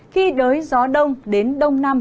khi đới gió đông đến đông nam